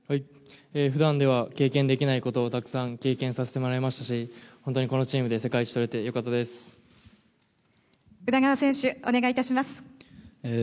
ふだんでは経験できないことをたくさん経験させてもらいましたし、本当にこのチームで世界一宇田川選手、お願いいたします。